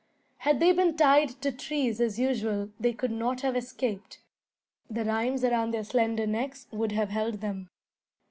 Had they been tied to trees as usual, they could not have escaped. The rheims around their slender necks would have held them.